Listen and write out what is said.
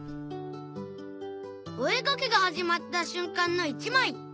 お絵かきが始まった瞬間の一枚